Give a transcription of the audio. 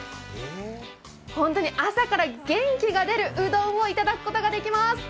本当に朝から元気が出るうどんを頂くことができます。